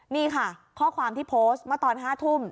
นี่ค่ะข้อความที่โพสต์เมื่อตอน๕ทุ่ม